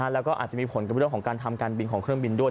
แล้วก็อาจจะมีผลกับเรื่องของการทำการบินของเครื่องบินด้วย